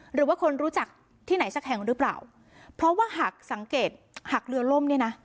หรือว่าคนรู้จักที่ไหนสักแห่งหรือเปล่าเพราะว่าหากสังเกตหักเรือล่มเนี่ยนะ